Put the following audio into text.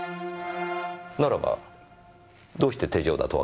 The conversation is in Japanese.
ならばどうして手錠だとわかりました？